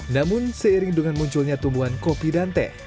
namun seiring dengan munculnya tumbuhan kopi dan teh